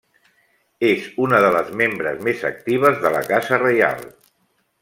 És una de les membres més actives de la Casa Reial.